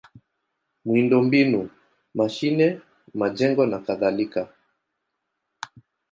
miundombinu: mashine, majengo nakadhalika.